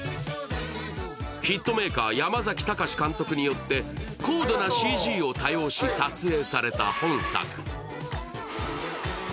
ヒットメーカー、山崎貴監督によって高度なＣＧを多用し撮影された本作。